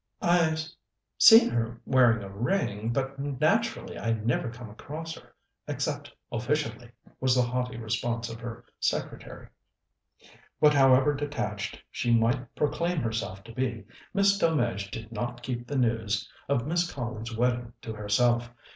"I've seen her wearing a ring, but, naturally, I never come across her except officially," was the haughty response of her secretary. But however detached she might proclaim herself to be, Miss Delmege did not keep the news of Miss Collins's wedding to herself.